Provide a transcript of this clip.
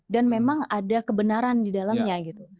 memang ada kebenaran di dalamnya gitu